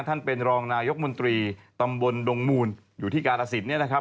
ท่านเป็นรองนายกมนตรีตำบลดงมูลอยู่ที่กาลสินเนี่ยนะครับ